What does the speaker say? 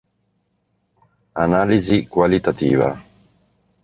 Analisi qualitativa